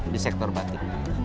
di sektor batik